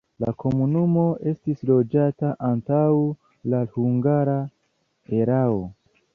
La komunumo estis loĝata antaŭ la hungara erao.